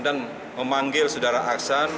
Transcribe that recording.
dan memanggil sudara aksan